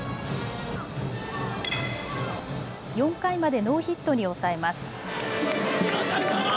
４回までノーヒットに抑えます。